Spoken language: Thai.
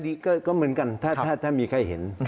ก็เหมือนกันถ้ามีใครเห็น